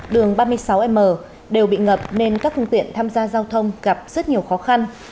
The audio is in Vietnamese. đường ba mươi sáu m đều bị ngập nên các phương tiện tham gia giao thông gặp rất nhiều khó khăn